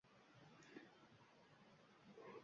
shuning uchun ham istar-istamas javob beradilar